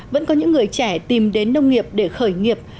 vẫn có những người trẻ tìm đến nông nghiệp để khởi nghiệp